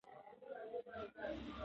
د کینې د کمولو لپاره تعلیم مهم دی.